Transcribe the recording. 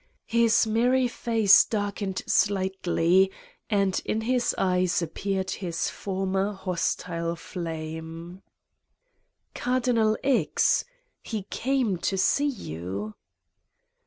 His merry face darkened slightly and in his eyes ap peared his former hostile flame. " Cardinal X.? He came to see you?"